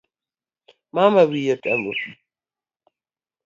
Mama wiye otimo pi